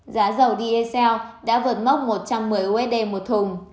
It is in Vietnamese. giá dầu dsn đã vượt mốc một trăm một mươi usd một thùng